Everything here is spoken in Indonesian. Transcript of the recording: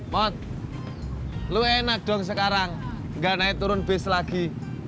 mot lo enak dong sekarang gak naik turun bis lagi